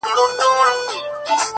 روح مي لا ورک دی- روح یې روان دی-